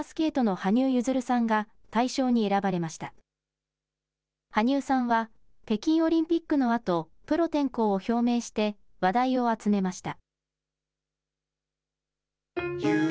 羽生さんは北京オリンピックのあと、プロ転向を表明して、話題を集めました。